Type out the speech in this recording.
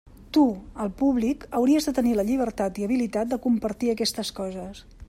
Tu, el públic, hauries de tenir la llibertat i habilitat de compartir aquestes coses.